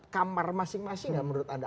kamar masing masing nggak menurut anda